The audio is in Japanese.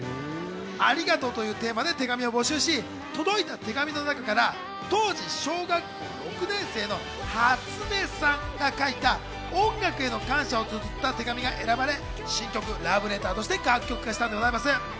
ありがとうというテーマで手紙を募集し、当時、小学校６年生のはつねさんが書いた音楽への感謝をつづった手紙が選ばれ、新曲『ラブレター』として楽曲化されたんです。